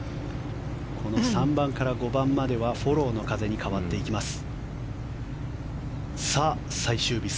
この３番から５番まではフォローの風に変わっていきます。